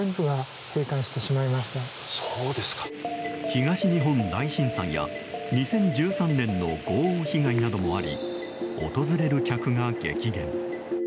東日本大震災や２０１３年の豪雨被害などもあり訪れる客が激減。